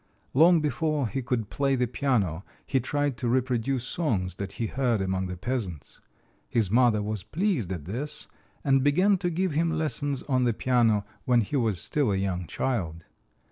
Long before he could play the piano he tried to reproduce songs that he heard among the peasants. His mother was pleased at this, and began to give him lessons on the piano when he was still a young child.